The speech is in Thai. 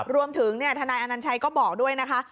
รวมถึงเนี่ยธนายอนันชัยก็บอกด้วยนะคะ